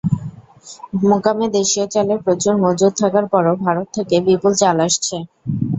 মোকামে দেশীয় চালের প্রচুর মজুত থাকার পরও ভারত থেকে বিপুল চাল আসছে।